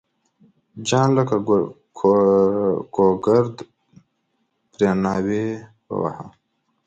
جان لکه ګوګرد پرې ناوی وواهه.